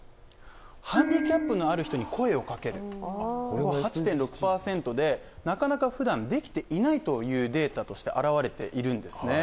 ハンディキャップのある人に声をかけるこれは８．６％でなかなか普段できていないというデータとして表れているんですね